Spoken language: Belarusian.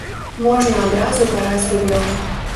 Можна адразу караць рублём.